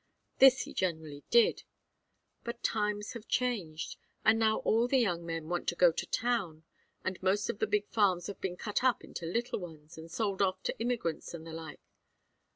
This he generally did; but times have changed, and now all the young men want to go to town; and most of the big farms have been cut up into little ones and sold off to immigrants and the like.